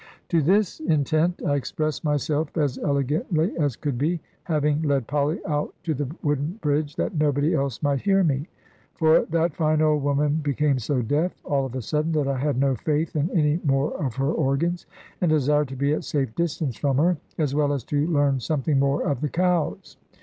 To this intent I expressed myself as elegantly as could be, having led Polly out to the wooden bridge, that nobody else might hear me. For that fine old woman became so deaf, all of a sudden, that I had no faith in any more of her organs, and desired to be at safe distance from her, as well as to learn something more of the cows.